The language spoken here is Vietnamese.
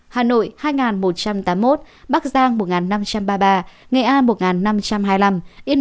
hà nội hai nghìn một trăm tám mươi một bắc giang một năm trăm ba mươi ba nghệ an một năm trăm hai mươi năm yên